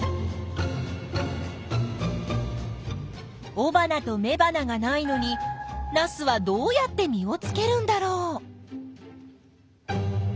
おばなとめばながないのにナスはどうやって実をつけるんだろう？